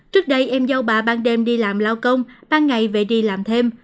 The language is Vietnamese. trước đây em dâu bà ban đêm đi làm lao công ban ngày về đi làm thêm